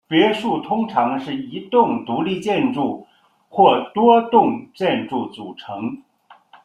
别墅通常是一栋独立建筑或多栋建筑组成。